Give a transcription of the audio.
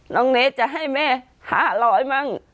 น้องเนสจะให้แม่๕๐๐มั่ง